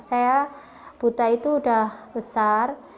saya buta itu udah besar